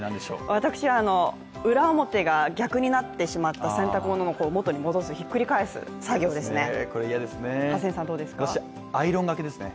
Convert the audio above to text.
私は、裏表が逆になってしまった洗濯物をもとに戻す、ひっくり返す作業ですね。